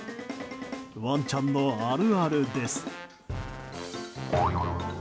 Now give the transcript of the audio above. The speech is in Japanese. ワンちゃんの、あるあるです。